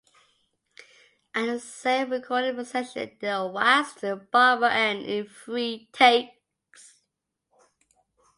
At the same recording session they waxed "Barbara-Ann" in three takes.